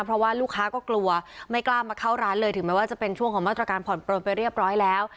เพราะว่าลูกค้าก็กลัวไม่กล้ามาเข้าร้านเลยถึงแม้ว่าจะเป็นช่วงของมาตรการผ่อนปลนไปเรียบร้อยแล้ว